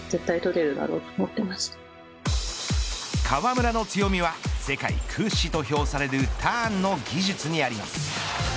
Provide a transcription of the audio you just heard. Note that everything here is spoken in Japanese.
川村の強みは世界屈指と評されるターンの技術にあります。